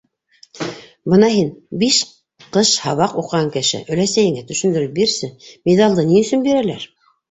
Бына һин, биш ҡыш һабаҡ уҡыған кеше, өләсәйеңә төшөндөрөп бирсе: миҙалды ни өсөн бирәләр?